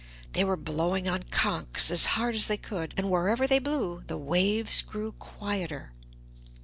They were blowing on conchs as hard as they could, and wherever they blew, the waves grew quieter.